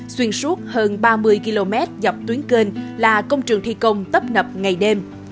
xuyên suốt hơn ba mươi km dọc tuyến kênh là công trường thi công tấp nập ngày đêm